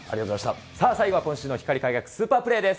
さあ、最後は今週の光り輝くスーパープレーです。